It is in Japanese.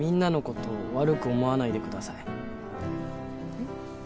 えっ？